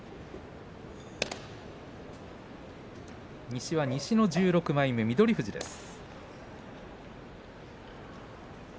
西は西の１６枚目、翠富士です。